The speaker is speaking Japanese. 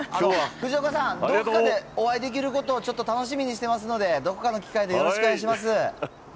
藤岡さん、どこかでお会いできることをちょっと楽しみにしてますので、どこかの機会でよろしくお願いします。